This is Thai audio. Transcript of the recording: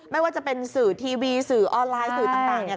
ไม่ว่าจะเป็นสื่อทีวีสื่อออนไลน์สื่อต่างเนี่ย